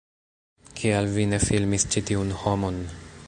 Kial vi ne filmis ĉi tiun homon?